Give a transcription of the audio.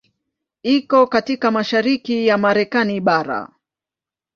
Iko katika mashariki ya Marekani bara.